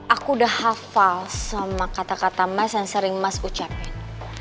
aku udah hafal sama kata kata mas yang sering mas ucapin